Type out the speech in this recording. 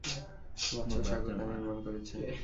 বাদশাহ শাকুর তা নির্মাণ করেছে।